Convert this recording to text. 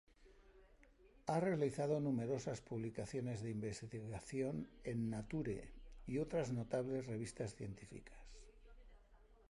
Ha realizado numerosas publicaciones de investigación en "Nature" y otras notables revistas científicas.